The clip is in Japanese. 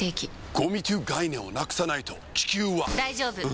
ゴミという概念を無くさないと地球は大丈夫！